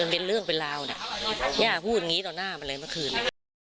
เฝนเรื่องเป็นร้าวพูดอย่างนี้ต่อหน้ามาเลย